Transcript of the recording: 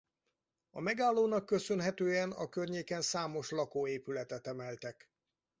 A megállónak köszönhetően a környéken számos lakóépületet emeltek.